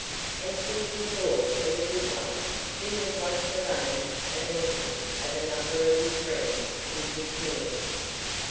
And since he thought it a good one he at once arranged a meeting of a number of his friends who lived near him.